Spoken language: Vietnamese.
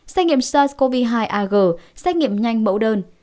xét nghiệm sars cov hai ag xét nghiệm nhanh mẫu đơn